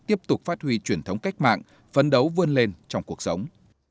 tiếp tục phát huy truyền thống cách mạng phấn đấu vươn lên trong cuộc sống